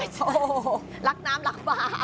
โอ้โฮรักน้ำรักปลา